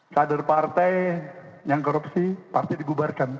kader partai yang korupsi partai digubarkan